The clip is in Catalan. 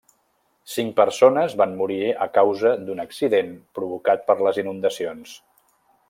Cinc persones van morir a causa d'un accident provocat per les inundacions.